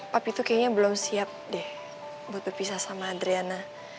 papa itu kayaknya belum siap deh buat berpisah sama adriana